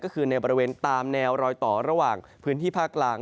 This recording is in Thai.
ก็คือในบริเวณตามแนวรอยต่อระหว่างพื้นที่ภาคกลาง